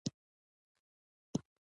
د عامو بندیانو په حقوقو یې اوږدې پرپړې لیکلې.